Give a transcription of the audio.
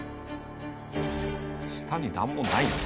下に何もないんだ。